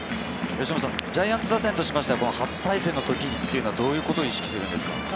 ジャイアンツ打線としましては初対戦の時というのはどういうことを意識するんですか？